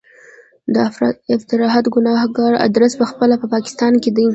د افراطیت ګنهګار ادرس په خپله په پاکستان کې دی.